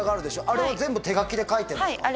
あれは全部手描きで描いてるんですか？